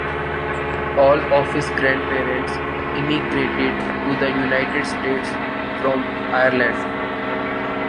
All of his grandparents immigrated to the United States from Ireland.